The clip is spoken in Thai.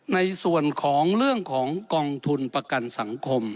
ในส่วนของเรื่องของกองทุนประกันสังคม